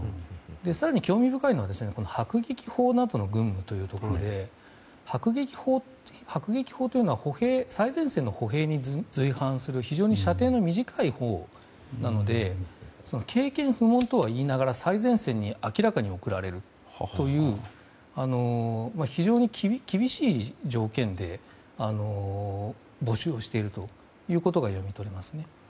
更に、興味深いのは迫撃砲などの軍務というところで迫撃砲というのは最前線の歩兵に随伴する非常に射程の短いものなので経験不問とはいいながら明らかに経験不足なのに最前線に送られるという非常に厳しい条件で募集をしているということが読み取れますね。